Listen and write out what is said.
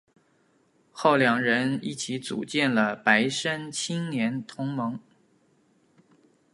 后两人一起组建了白山青年同盟。